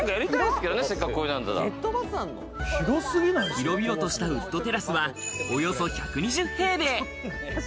広々としたウッドテラスは、およそ１２０平米。